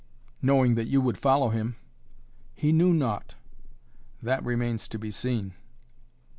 "Knowing that you would follow him." "He knew naught." "That remains to be seen."